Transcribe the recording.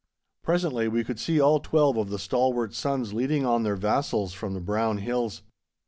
Presently we could see all twelve of the stalwart sons leading on their vassals from the brown hills.